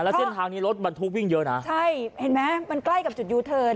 เส้นทางนี้รถบรรทุกวิ่งเยอะนะใช่เห็นไหมมันใกล้กับจุดยูเทิร์น